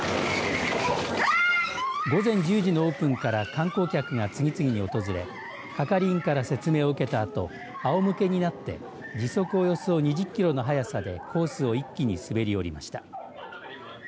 午前１０時のオープンから観光客が次々に訪れ係員から説明を受けたあとあおむけになって時速およそ２０キロの速さでコースを一気に滑り降りました。